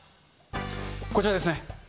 こちらですね。